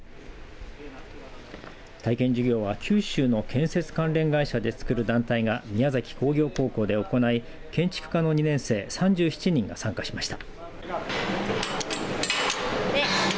体験授業は九州の建設関連会社でつくる団体が宮崎工業高校で行い建築科の２年生３７人が参加しました。